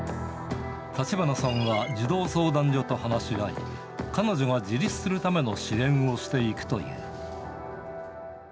橘さんは児童相談所と話し合い、彼女が自立するための支援をしていくという。